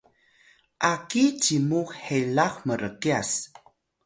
aki cimu helax mrkyas